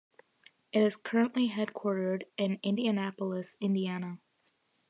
It is currently headquartered in Indianapolis, Indiana.